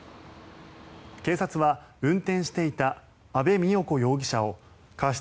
警察は運転していた安部三代子容疑者を過失